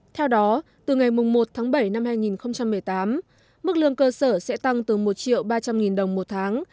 theo đó từ ngày một tháng bảy năm hai nghìn một mươi tám mức lương cơ sở sẽ tăng từ một triệu ba trăm linh nghìn đồng một tháng